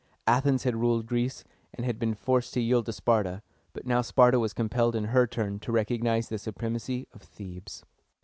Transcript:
Athens had ruled Greece, and had been forced to yield to Sparta; but now Sparta was compelled in her turn to recognize the supremacy of Thebes.